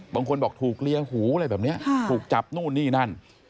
บางคนบอกถูกเลียหูอะไรแบบนี้ถูกจับนู่นนี่นั่น